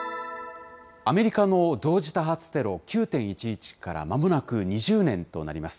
アメリカの同時多発テロ、９・１１から、まもなく２０年となります。